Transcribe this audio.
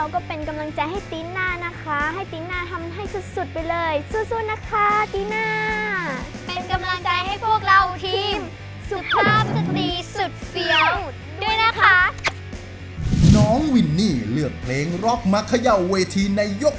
ขอบคุณครับ